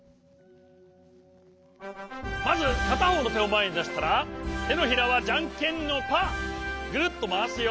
まずかたほうのてをまえにだしたらてのひらはじゃんけんのパーぐるっとまわすよ。